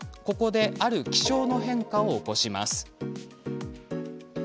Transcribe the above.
ここである気象の変化を起こします。